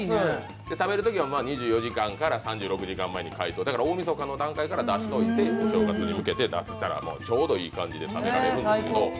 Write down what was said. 食べるときは２４時間から３６時間前に解凍して大みそかの段階から出しておいてお正月に向けて出したら、ちょうどいい感じで食べられるんで。